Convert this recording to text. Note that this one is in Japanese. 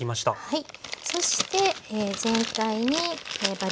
はい。